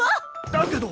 だけど。